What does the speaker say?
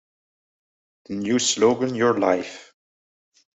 The new slogan, Your Life.